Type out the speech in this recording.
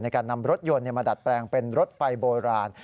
การนำรถยนต์มาดัดแปลงเป็นรถไฟโบราณ